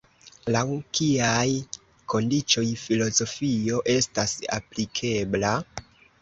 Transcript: Laŭ kiaj kondiĉoj filozofio estas aplikebla?